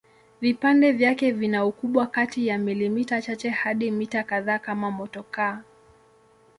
Vipande vyake vina ukubwa kati ya milimita chache hadi mita kadhaa kama motokaa.